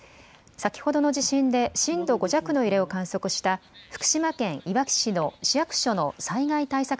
先ほどの地震で震度５弱の揺れを観測した福島県いわき市の市役所の災害対策